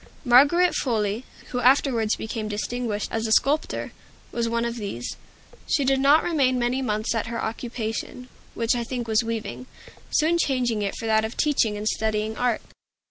Margaret Foley, who afterwards became distinguished as a sculptor, was one of these. She did not remain many months at her occupation, which I think was weaving, soon changing it for that of teaching and studying art.